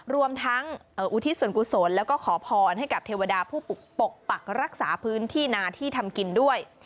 รวมทั้งอุทิศส่วนกุศลแล้วก็ขอพรให้กับเทวดาผู้ปกปักรักษาพื้นที่นาที่ทำกินด้วย